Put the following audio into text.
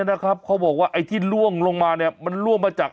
นะครับเขาบอกว่าไอ้ที่ล่วงลงมาเนี่ยมันล่วงมาจาก